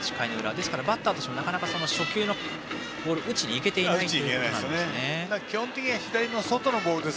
ですからバッターとしてもなかなか初球のボールを打ちに行けてないと。